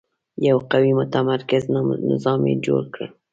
یو قوي متمرکز نظام یې جوړ کړ.